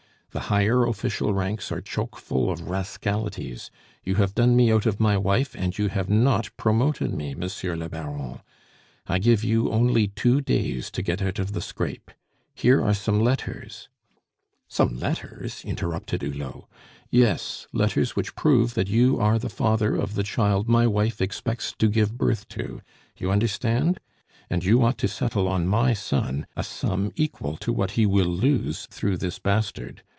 The higher official ranks are chokeful of rascalities. You have done me out of my wife, and you have not promoted me, Monsieur le Baron; I give you only two days to get out of the scrape. Here are some letters " "Some letters!" interrupted Hulot. "Yes; letters which prove that you are the father of the child my wife expects to give birth to. You understand? And you ought to settle on my son a sum equal to what he will lose through this bastard.